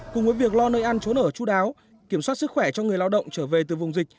cùng với việc lo nơi ăn trốn ở chú đáo kiểm soát sức khỏe cho người lao động trở về từ vùng dịch